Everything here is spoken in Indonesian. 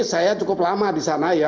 saya cukup lama di sana ya